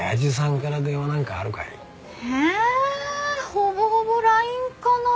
ほぼほぼＬＩＮＥかな。